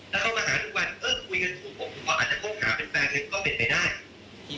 แล้วเขามาหาทุกวันเออคุยกันถูกผมก็อาจจะคบหาเป็นแฟนกันก็เป็นไปได้